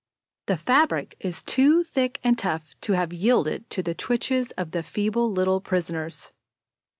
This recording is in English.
The fabric is too thick and tough to have yielded to the twitches of the feeble little prisoners.